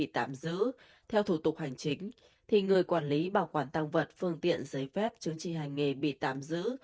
theo thủ tục hành chính người quản lý bảo quản tăng vật phương tiện giấy phép chứng trị hành nghề bị tạm giữ